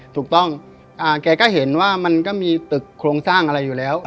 ถูกต้องแกก็เห็นว่ามันก็มีตึกโครงสร้างอะไรอยู่แล้ว